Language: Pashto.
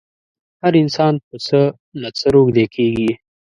هر انسان په څه نه څه روږدی کېږي.